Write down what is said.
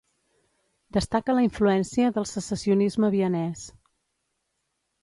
Destaca la influència del Secessionisme vienès.